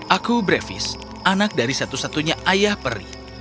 aku brevis anak dari satu satunya ayah peri